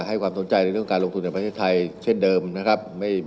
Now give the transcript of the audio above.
ให้ความสนใจในเรื่องการลงทุนในประเทศไทยเช่นเดิมนะครับ